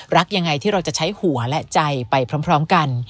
รักยังไงที่เราจะใช้หัวและใจไปพร้อมกัน